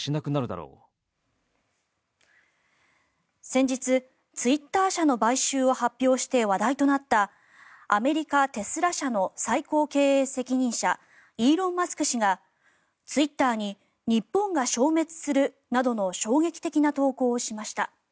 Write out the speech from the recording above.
先日ツイッター社の買収を発表して話題となったアメリカテスラ社の最高経営責任者イーロン・マスク氏がツイッターに日本が消滅するなどの衝撃的な投稿をしました。